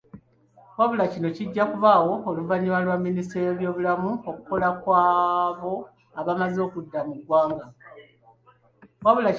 Wabula kino kijja kubaawo oluvannyuma lwa minisitule y'ebyobulamu okukola kw'abo abaamaze okudda mu ggwanga.